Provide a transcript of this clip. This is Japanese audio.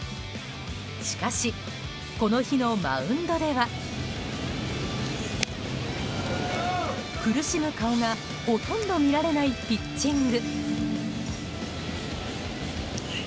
しかし、この日のマウンドでは苦しむ顔がほとんど見られないピッチング。